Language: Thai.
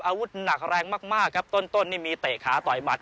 อาวุธหนักแรงมากครับต้นนี่มีเตะขาต่อยหมัด